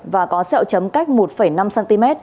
và có xeo chấm cách một năm cm